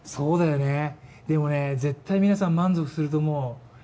絶対皆さん満足すると思う。